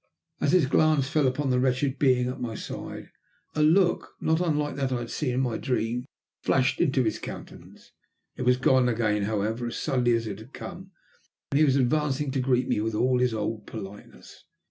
As his glance fell upon the wretched being at my side a look not unlike that I had seen in my dream flashed into his countenance. It was gone again, however, as suddenly as it had come, and he was advancing to greet me with all his old politeness.